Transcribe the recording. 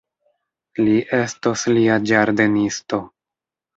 Li estos lia ĝardenisto.